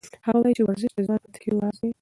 هغه وایي چې ورزش د ځوان پاتې کېدو راز دی.